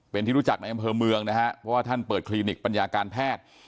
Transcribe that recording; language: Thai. เป็นที่รู้จักในอำเภอเมืองนะฮะเพราะว่าท่านเปิดคลินิกปัญญาการแพทย์